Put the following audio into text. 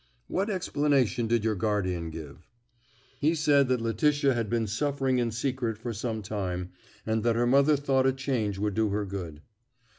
"What explanation did your guardian give?" "He said that Letitia had been suffering in secret for some time, and that her mother thought a change would do her good."